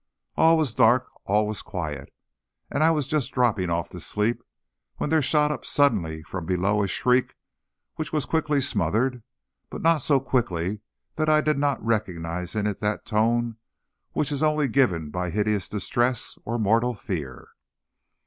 All was dark, all was quiet, and I was just dropping off to sleep, when there shot up suddenly from below a shriek, which was quickly smothered, but not so quickly that I did not recognize in it that tone which is only given by hideous distress or mortal fear.